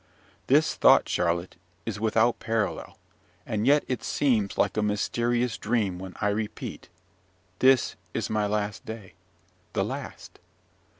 This thought, Charlotte, is without parallel; and yet it seems like a mysterious dream when I repeat this is my last day! The last!